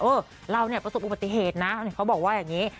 เออเราเนี่ยประสบอุบัติเหตุนะเขาบอกว่าอย่างนี้